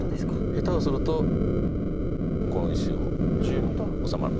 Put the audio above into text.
下手をするとこの石をこう治まるので。